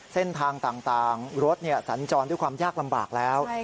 เส้นทางต่างรถสัญจรด้วยความยากลำบากแล้ว